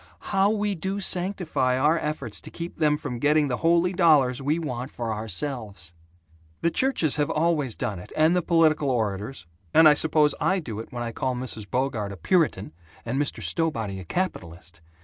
How we do sanctify our efforts to keep them from getting the holy dollars we want for ourselves! The churches have always done it, and the political orators and I suppose I do it when I call Mrs. Bogart a 'Puritan' and Mr. Stowbody a 'capitalist.'